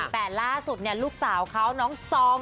แต่ล่าสุดลูกสาวเขาน้องซอง